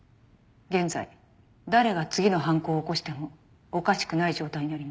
現在誰が次の犯行を起こしてもおかしくない状態にあります。